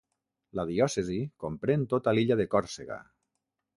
La diòcesi comprèn tota l'illa de Còrsega.